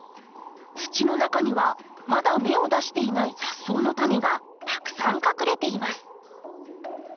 土の中にはまだ芽を出していない雑草のタネがたくさん隠れています。